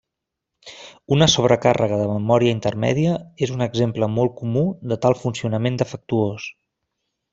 Una sobrecàrrega de memòria intermèdia és un exemple molt comú de tal funcionament defectuós.